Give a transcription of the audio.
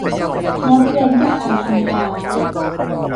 งดเว้นจากการทำร้าย